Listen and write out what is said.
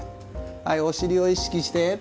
はいお尻を意識して。